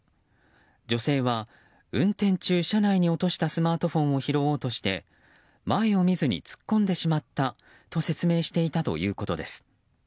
女性は運転中、車内に落としたスマートフォンを拾おうとして前を見ずに突っ込んでしまったと説明していたということです。